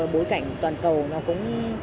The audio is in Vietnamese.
bối cảnh toàn cầu nó cũng